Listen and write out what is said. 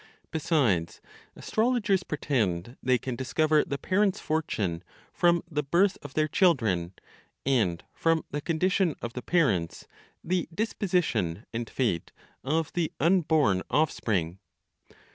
Besides, astrologers pretend they can discover the parent's fortune from the birth of their children, and from the condition of the parents the disposition and fate of the unborn offspring.